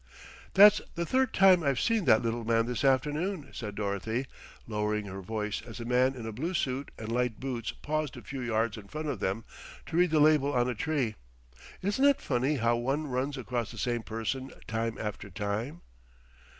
"That's the third time I've seen that little man this afternoon," said Dorothy, lowering her voice as a man in a blue suit and light boots paused a few yards in front of them to read the label on a tree. "Isn't it funny how one runs across the same person time after time?"